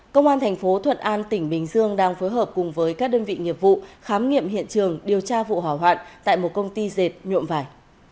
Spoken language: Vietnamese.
công an thành phố thuận an tỉnh bình dương đang phối hợp cùng với các đơn vị nghiệp vụ khám nghiệm hiện trường điều tra vụ hỏa hoạn tại một công ty dệt nhuộm vải